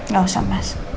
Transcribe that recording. gak usah mas